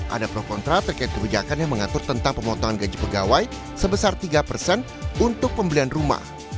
ada pro kontra terkait kebijakan yang mengatur tentang pemotongan gaji pegawai sebesar tiga persen untuk pembelian rumah